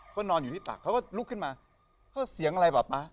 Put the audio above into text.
เขานอนอยู่ที่ตักเขาก็ลุกขึ้นมาเขาเสียงอะไรป่ะป๊า